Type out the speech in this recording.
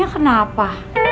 tidak ada foto apa apa